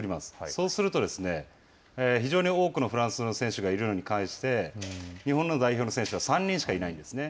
そうすると、非常に多くのフランスの選手がいるのに対して、日本の代表の選手は３人しかいないんですね。